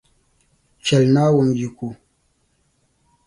Chɛli Naawuni yiko.